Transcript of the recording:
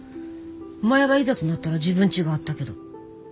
前はいざとなったら自分ちがあったけど。